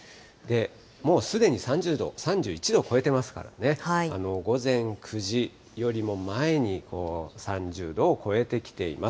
もうすでに３０度、３１度を超えてますからね、午前９時よりも前に３０度を超えてきています。